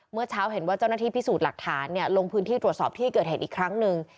เมื่อเช้าเห็นว่าเจ้าหน้าที่พิสูจน์หลักฐานลงพื้นที่ตรวจสอบที่เกิดเหตุอีกครั้งหนึ่ง